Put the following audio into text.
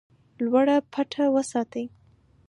لوړه پټه وساتي.